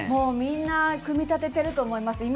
みんな組み立てていると思います。